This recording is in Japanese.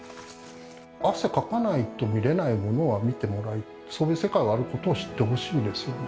汗かかないと見れないものは見てもらいたい、そういう世界があるということを知ってほしいんですよね。